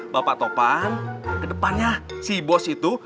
bapak topan kedepannya si bos itu